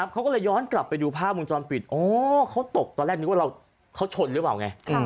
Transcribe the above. เขาก็เลยย้อนกลับไปดูภาพวงจรปิดอ๋อเขาตกตอนแรกนึกว่าเขาชนหรือเปล่าไง